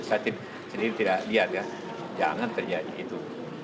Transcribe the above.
saya sendiri tidak lihat ya jangan terjadi itu